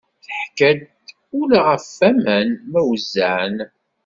Teḥka-d ula ɣef aman ma wezzɛen.